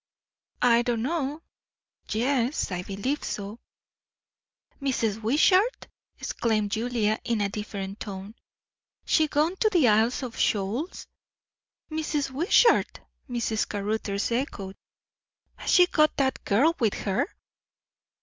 "I don't know yes, I believe so." "Mrs. Wishart!" exclaimed Julia in a different tone. "She gone to the Isles of Shoals?" "'Mrs. Wishart!" Mrs. Caruthers echoed. "Has she got that girl with her?"